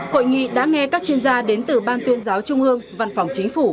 hội nghị đã nghe các chuyên gia đến từ ban tuyên giáo trung ương văn phòng chính phủ